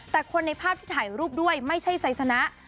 แต่คนในภาพที่ถ่ายรูปด้วยไม่ใช่ไซสนะ